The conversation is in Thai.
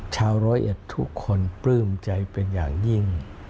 ชาวร้อยเอ็ดทุกคนปลื้มใจเป็นอย่างยิ่ง